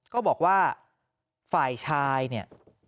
ก็บอกว่าฝ่ายชายเนี่ย